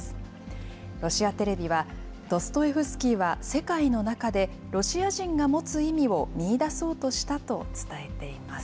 ロシアテレビは、ドストエフスキーは、世界の中でロシア人が持つ意味を見いだそうとしたと伝えています。